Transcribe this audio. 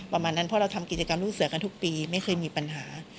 ประมาณนั้นเพราะเราทำกิจกรรมลูกเสือกันทุกปีไม่เคยมีปัญหา